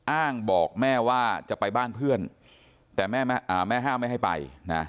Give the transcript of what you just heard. อ้างบอกแม่ว่าจะไปบ้านเพื่อนแต่แม่ห้ามไม่ให้ไปนะ